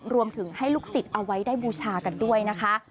รวมถึงให้ลูกศิษย์เอาไว้ได้บูชากันด้วยนะคะ